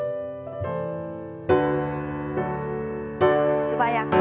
素早く。